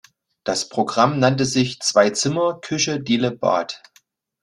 Das Programm nannte sich "Zwei Zimmer, Küche, Diele, Bad.